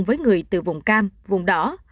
với người từ vùng cam vùng đỏ